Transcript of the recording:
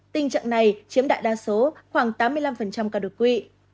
tình trạng này chiếm đại đa số khoảng tám mươi năm cả đột quỵ